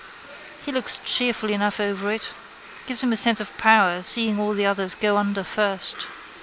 He looks cheerful enough over it. Gives him a sense of power seeing all the others go under first.